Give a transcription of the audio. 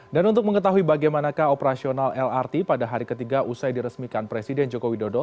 dan untuk mengetahui bagaimanakah operasional lrt pada hari ketiga usai diresmikan presiden joko widodo